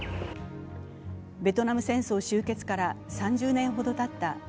ベトナム戦争終結から３０年ほどたった